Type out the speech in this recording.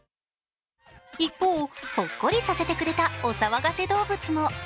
一方、ほっこりさせてくれたお騒がせ動物も。